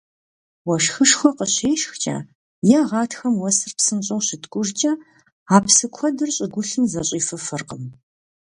Уэшхышхуэ къыщешхкӀэ е гъатхэм уэсыр псынщӀэу щыткӀужкӀэ а псы куэдыр щӀыгулъым зэщӀифыфыркъым.